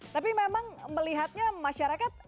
tapi memang melihatnya masyarakat